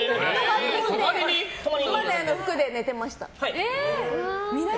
愛弥の服で寝てました。